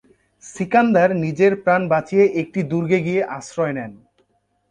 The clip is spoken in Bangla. সিকান্দার নিজের প্রাণ বাঁচিয়ে একটি দুর্গে গিয়ে আশ্রয় নেন।